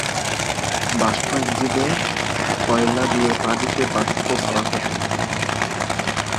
বাষ্প ইঞ্জিনে কয়লা দিয়ে পানিকে বাষ্প করা হত।